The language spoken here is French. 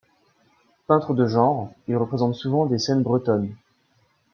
Peintre de genre, il représente souvent des scènes bretonnes.